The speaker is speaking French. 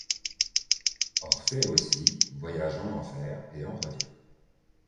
Orphée aussi voyage en enfer et en revient.